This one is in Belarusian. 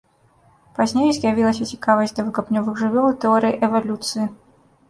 Пазней з'явілася цікавасць да выкапнёвых жывёл і тэорыі эвалюцыі.